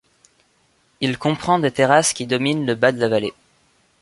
Il comprend des terrasses qui dominent le bas de la vallée.